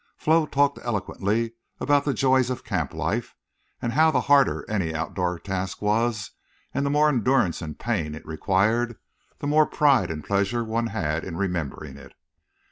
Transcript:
Flo talked eloquently about the joys of camp life, and how the harder any outdoor task was and the more endurance and pain it required, the more pride and pleasure one had in remembering it.